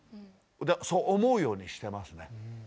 そう思うようにしてますね。